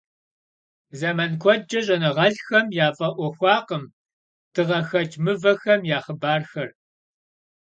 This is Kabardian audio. Zeman kuedç'e ş'enığelh'xem yaf'e'uexuakhım dığexeç' mıvexem ya xhıbarxer.